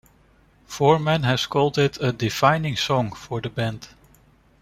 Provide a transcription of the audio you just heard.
Foreman has called it "a defining song" for the band.